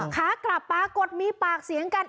ขากลับปรากฏมีปากเสียงกัน